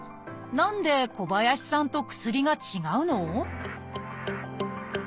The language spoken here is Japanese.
何で小林さんと薬が違うの？